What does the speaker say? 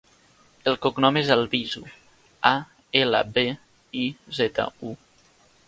El cognom és Albizu: a, ela, be, i, zeta, u.